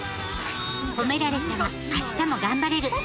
褒められたら明日も頑張れる。